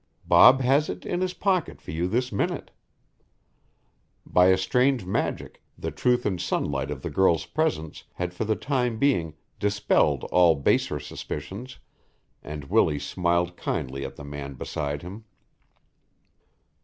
Bob has it in his pocket for you this minute." By a strange magic the truth and sunlight of the girl's presence had for the time being dispelled all baser suspicions and Willie smiled kindly at the man beside him.